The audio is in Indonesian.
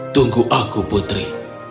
tunggu aku putri